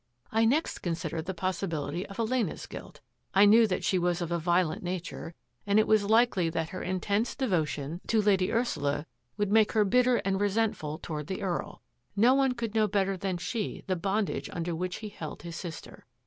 I next considered the possibility of Elena's guilt. I knew that she was of a violent nature and it was likely that her intense devotion to jeeo THAT AFFAIR AT THE MANOR Lady Ursula would make her bitter and resentful toward the Earl. No one could know better than she the bondage under which he held his sister.